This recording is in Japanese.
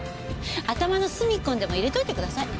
頭の隅っこにでも入れといてください。